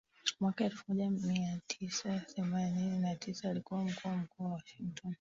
mwaka elfu moja mia tisa themanini na tisa alikuw mkuu wa mkoa wa Washington